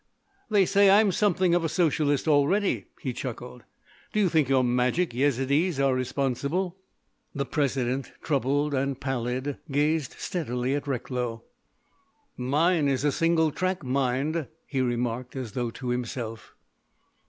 "They say I'm something of a socialist already," he chuckled. "Do you think your magic Yezidees are responsible?" The President, troubled and pallid, gazed steadily at Recklow. "Mine is a single track mind," he remarked as though to himself.